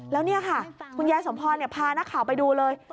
แล้วนี่ค่ะคุณยายสมพรพานักข่าวไปดูเลย